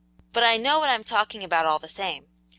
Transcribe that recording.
"But I know what I'm talking about all the same.